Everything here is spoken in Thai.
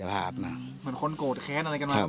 เหมือนคนโกรธแค้นอะไรกันมา